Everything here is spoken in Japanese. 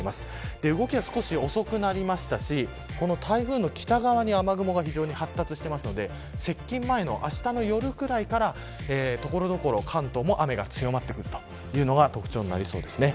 動きは少し遅くなりましたしこの台風の北側に雨雲が非常に発達していて接近前のあしたの夜くらいから所々、関東も雨が強まってくるというのが特徴になりそうです。